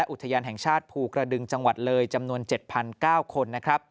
อุทยานแห่งชาติภูกระดึงจังหวัดละเยอร์จำนวน๗๙๐๐คน